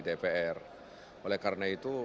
dpr oleh karena itu